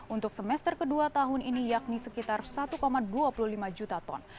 untuk semester kedua tahun ini yakni sekitar satu dua puluh lima juta ton